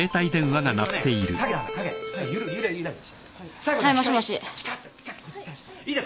はい。